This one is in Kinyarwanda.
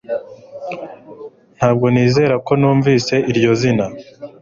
Ntabwo nizera ko numvise iryo zina